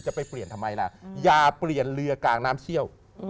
จะไปเปลี่ยนทำไมล่ะอย่าเปลี่ยนเรือกลางน้ำเชี่ยว